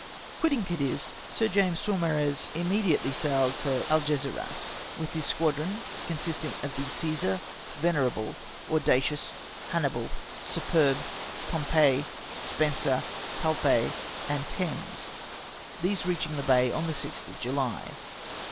. Quitting Cadiz, Sir James Saumarez immediately sailed for Algesii'as vv'itli his squadi'on, consisting of the CcBsai\ Venerable, Audacious, Hannibal, Siqyerb, Pom pee, Spencer, Calpe, and Thames, these reacliing the bay on the 6th of July.